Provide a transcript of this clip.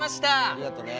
ありがとね。